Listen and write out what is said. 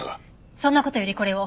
そんな事よりこれを。